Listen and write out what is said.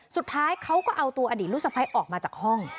สุดท้ายเขาก็เอาตัวอดีตลูกสะพ้ายออกมาจากห้อง